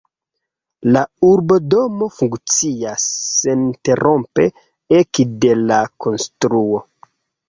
La urbodomo funkcias seninterrompe ekde la konstruo.